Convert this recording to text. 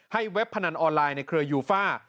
เว็บพนันออนไลน์ในเครือยูฟ่า